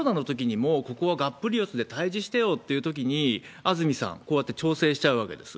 もうここはがっぷり四つで対じしてよっていうときに、安住さん、こうやって調整しちゃうわけです。